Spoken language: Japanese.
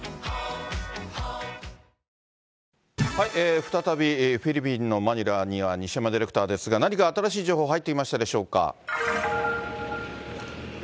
再び、フィリピンのマニラには西山ディレクターですが、何か新しい情報、入っていますでしょうか？